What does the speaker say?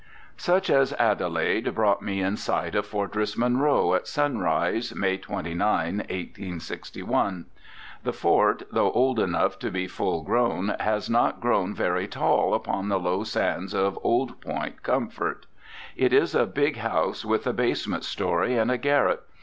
Such an Adelaide brought me in sight of Fortress Monroe at sunrise, May 29, 1861. The fort, though old enough to be full grown, has not grown very tall upon the low sands of Old Point Comfort. It is a big house with a basement story and a garret.